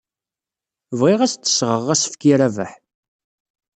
Bɣiɣ ad as-d-sɣeɣ asefk i Rabaḥ.